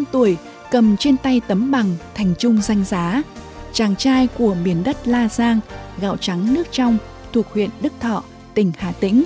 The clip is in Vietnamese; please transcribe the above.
một mươi năm tuổi cầm trên tay tấm bằng thành trung danh giá chàng trai của miền đất la giang gạo trắng nước trong thuộc huyện đức thọ tỉnh hà tĩnh